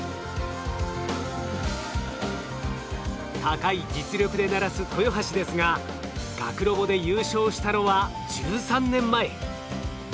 高い実力で鳴らす豊橋ですが学ロボで優勝したのは１３年前。